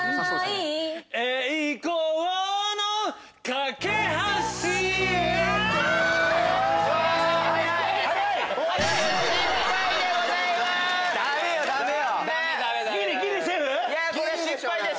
いやこれ失敗です。